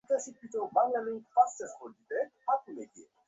আমরা প্রলয়ের মুখে দাঁড়াইয়াছি, এখন ছলনা করিবার সময় নহে।